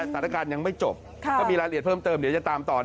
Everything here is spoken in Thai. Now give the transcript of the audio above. สถานการณ์ยังไม่จบถ้ามีรายละเอียดเพิ่มเติมเดี๋ยวจะตามต่อ